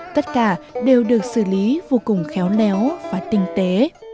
tất cả đều được xử lý vô cùng khéo léo và tinh tế